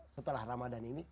setelah ramadan ini